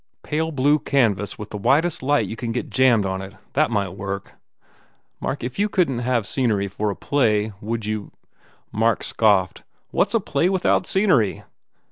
"Pale blue canvas with the whitest light you can get jammed on it. That might work." "Mark, if you couldn t have scenery for a play would you " Mark scoffed, "What s a play without scenery?